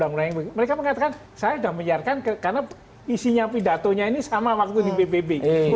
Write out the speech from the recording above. mereka mengatakan saya sudah menyiarkan karena isinya pidatonya ini sama waktu di pbb